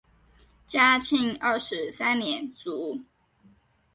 嘉庆二十三年卒。